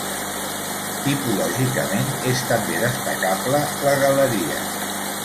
Tipològicament és també destacable la galeria.